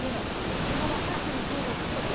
ここが分かれてるせいだと思うんだ。